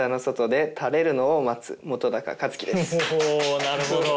なるほど。